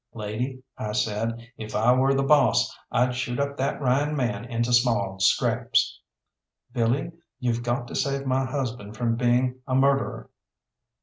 "Lady," I said, "if I were the boss, I'd shoot up that Ryan man into small scraps." "Billy, you've got to save my husband from being a murderer."